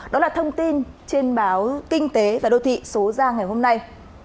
đó là thông tin trên báo kinh tế và đô thị số ra ngày hôm nay